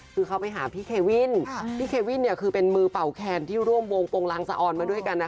คือเขาไปหาพี่เควินพี่เควินคือเป็นมือเป่าแคนที่ร่วมวงโปรงรังสะออนมาด้วยกัน